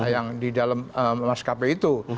yang di dalam maskapai itu